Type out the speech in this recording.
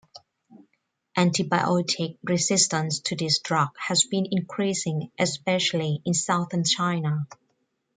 Antibiotic resistance to this drug has been increasing, especially in southern China.